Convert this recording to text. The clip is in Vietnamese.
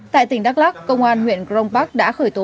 tại tỉnh đắk lắc công an huyện grong park đã khởi tố